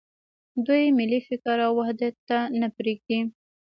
دوی ملي فکر او وحدت ته نه پرېږدي.